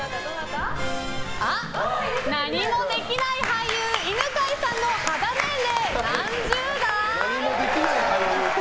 何もできない俳優・犬飼さんの肌年齢、何十代？